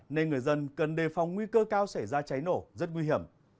nên người dân cần đề phòng nguy cơ cao xảy ra cháy nổ rất nguy hiểm